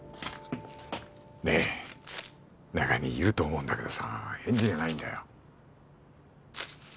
ねえ中にいると思うんだけどさ返事がないんだよ